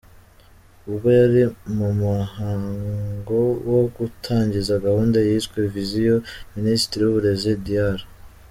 Ubwo yari mu muhango wo gutangiza gahunda yiswe “Viziyo”, Minisitiri w’Uburezi, Dr.